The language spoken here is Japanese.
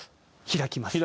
開きます。